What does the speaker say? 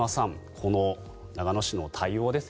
この長野市の対応ですね